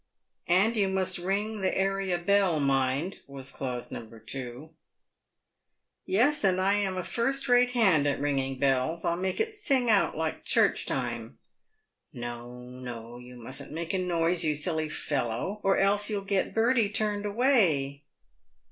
" And you must ring the area bell, mind," was clause No. 2. " Yes, and I am a first rate hand at ringing bells ; I'll make it sing out like church time." " No, no, you mustn't make a noise, you silly fellow, or else you'll get Bertie turned away."